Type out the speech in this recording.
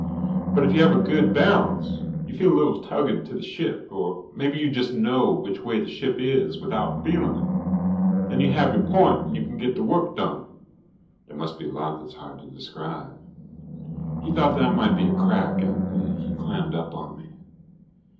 But if you have a good balance, you feel a little tugging to the ship, or maybe you just know which way the ship is without feeling it. Then you have your point and you can get the work done." "There must be a lot that's hard to describe." He thought that might be a crack and he clammed up on me.